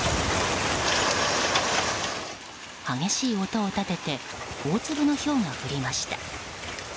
激しい音を立てて大粒のひょうが降りました。